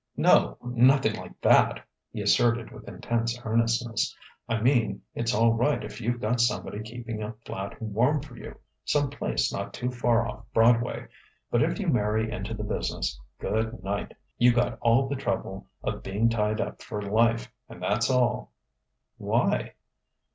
"No nothing like that!" he asserted with intense earnestness. "I mean, it's all right if you've got somebody keeping a flat warm for you, some place not too far off Broadway; but if you marry into the business good night! You got all the trouble of being tied up for life, and that's all." "Why?"